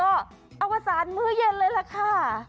อวสารมื้อเย็นเลยล่ะค่ะ